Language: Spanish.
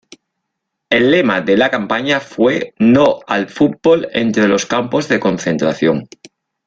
El lema de la campaña fue "No al fútbol entre los campos de concentración".